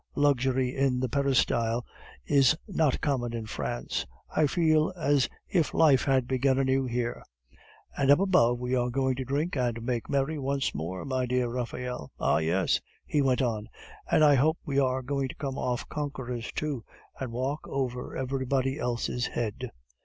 "Luxury in the peristyle is not common in France. I feel as if life had begun anew here." "And up above we are going to drink and make merry once more, my dear Raphael. Ah! yes," he went on, "and I hope we are going to come off conquerors, too, and walk over everybody else's head."